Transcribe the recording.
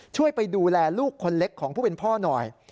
ช่วยไปดูแลลูกคนเล็กของผู้เป็นพ่อหน่อย